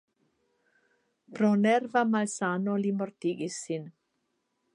Pro nerva malsano li mortigis sin.